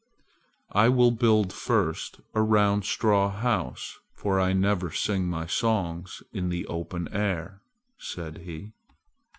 "I will build first a round straw house, for I never sing my songs in the open air," said he.